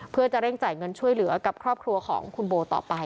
เพื่อจะเร่งจ่ายเงินช่วยเหลือกับครอบครัวของคุณโบต่อไป